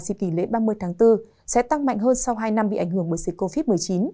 dịp kỷ lễ ba mươi tháng bốn sẽ tăng mạnh hơn sau hai năm bị ảnh hưởng bởi dịch covid một mươi chín